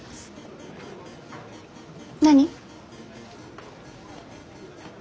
何？